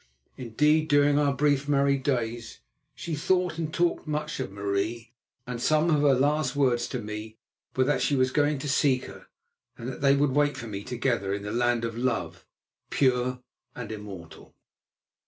Indeed, during our brief married days, she thought and talked much of Marie, and some of her last words to me were that she was going to seek her, and that they would wait for me together in the land of love, pure and immortal.